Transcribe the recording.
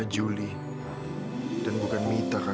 harus buat yang suka